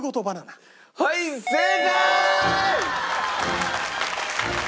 はい正解！